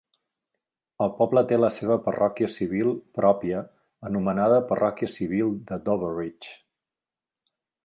El poble té la seva parròquia civil pròpia anomenada Parròquia civil de Doveridge.